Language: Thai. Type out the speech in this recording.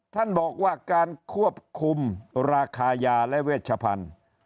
ท่านบอกว่าการควบคุมราคายาและเวชพันธุ์